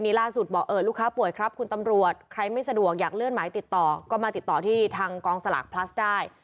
ล่าสุดบอกเออลูกค้าป่วยครับคุณตำรวจใครไม่สะดวกอยากเลื่อนหมายติดต่อก็มาติดต่อที่ทางกองสลากพลัสได้